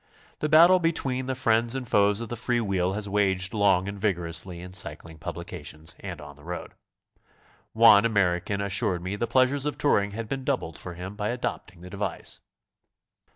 The battle between the friends and foes of the free wheel has waged long a»nd vigor ously in cycling publications and on the road. One Ameri can assured me the pleasures of touring had been doubled for him by adopting the device.